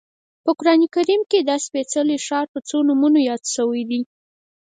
په قران کریم کې دا سپېڅلی ښار په څو نومونو یاد شوی دی.